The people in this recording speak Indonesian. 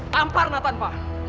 tampar natan pak